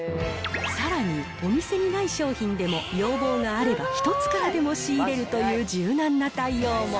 さらにお店にない商品でも、要望があれば１つからでも仕入れるという柔軟な対応も。